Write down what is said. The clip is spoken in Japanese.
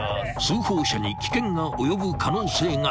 ［通報者に危険が及ぶ可能性が高い］